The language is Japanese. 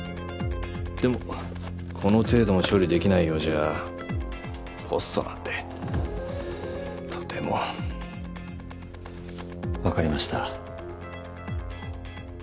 でもこの程度も処理できないようじゃポストなんてとても。わかりました。